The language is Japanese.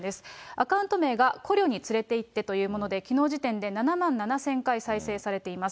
アカウント名がコリョに連れて行ってというもので、きのう時点で７万７０００回再生されています。